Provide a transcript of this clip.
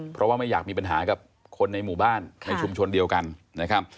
เพราะว่าไม่อยากมีปัญหากับคนในหมู่บ้านในชุมชนเดียวกันนะครับ